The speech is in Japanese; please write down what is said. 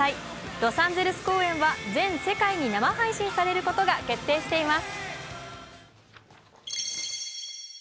ロサンゼルス公演は全世界に生配信されることが決定しています。